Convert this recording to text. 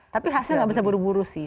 tapi khasnya nggak bisa buru buru sih